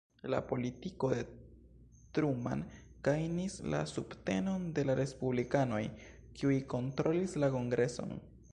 La politiko de Truman gajnis la subtenon de la respublikanoj kiuj kontrolis la kongreson.